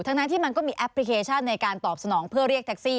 ทั้งนั้นที่มันก็มีแอปพลิเคชันในการตอบสนองเพื่อเรียกแท็กซี่